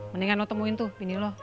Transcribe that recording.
mendingan lu temuin tuh bini lu